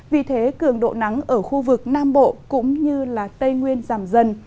vì thế cường độ nắng ở khu vực nam bộ cũng như tây nguyên giảm dần